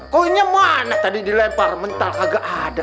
kok ini mana tadi dilempar mental kagak ada